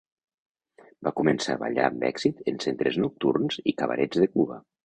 Va començar a ballar amb èxit en centres nocturns i cabarets de Cuba.